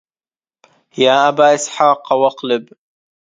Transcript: يا أبا إسحاق واقلب